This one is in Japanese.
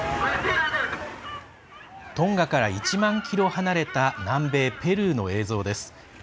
トンガから１万ｋｍ離れた南米ペルーの映像です。